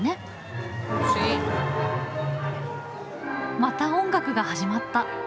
また音楽が始まった。